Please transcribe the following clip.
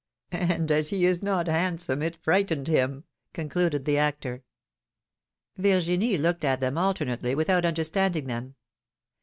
^^ ^^And, as he is not handsome, it frightened him,'^ con cluded the actor. Virginie looked at them alternately, without under standing them.